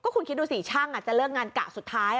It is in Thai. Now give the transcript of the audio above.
คุณคิดดูสิช่างจะเลิกงานกะสุดท้าย